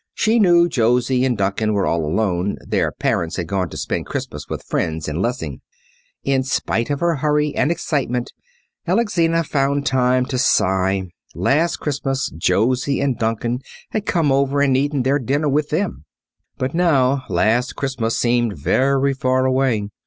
She knew Josie and Duncan were all alone; their parents had gone to spend Christmas with friends in Lessing. In spite of her hurry and excitement Alexina found time to sigh. Last Christmas Josie and Duncan had come over and eaten their dinner with them. But now last Christmas seemed very far away.